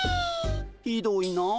ひどいな。